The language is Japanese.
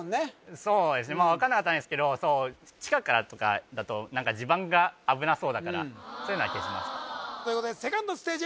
そうですねまあ分かんなかったんですけど地下からとかだと地盤が危なそうだからそういうのは消しましたということでセカンドステージ